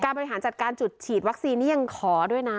บริหารจัดการจุดฉีดวัคซีนนี่ยังขอด้วยนะ